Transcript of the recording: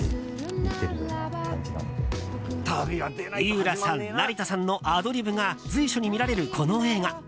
井浦さん成田さんのアドリブが随所に見られる、この映画。